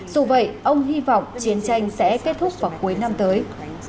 dù vậy ông hy vọng chiến tranh sẽ kết thúc vào cuối năm tới